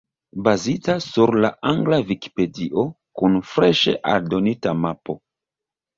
Bazita sur la angla Vikipedio, kun freŝe aldonita mapo.